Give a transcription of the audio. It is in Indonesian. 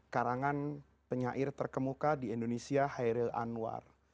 karangan penyair terkemuka di indonesia hairil anwar